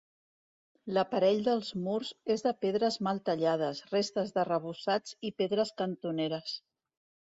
L'aparell dels murs és de pedres mal tallades, restes d'arrebossats i pedres cantoneres.